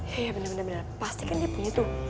ya bener bener pasti kan dia punya tuh